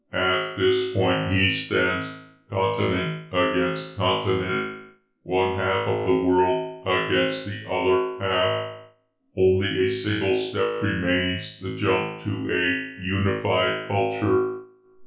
At this point he stands continent against continent, one half of the world against the other half. Only a single step remains, the jump to a unified culture.